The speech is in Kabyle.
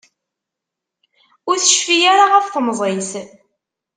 Ur tecfi ara ɣef temẓi-s.